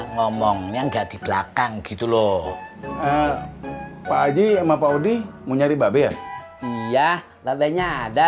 ngomongnya nggak di belakang gitu loh pak ji sama pak udi mau nyari babe ya iya babenya ada